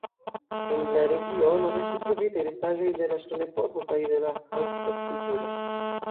En la regiono estis trovitaj restaĵoj de la ŝtonepoko kaj de la Hallstatt-kulturo.